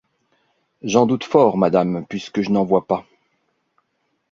J’en doute fort, Madame, puisque je n’en vois pas.